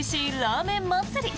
ラーメン祭り